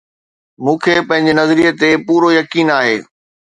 مون کي پنهنجي نظريي تي پورو يقين آهي